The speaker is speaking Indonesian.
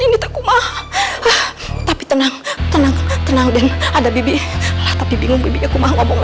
nih cuma tapi tenang tenang tenang dan ada bibi tapi bingung biji bibinya maungah ngomongmm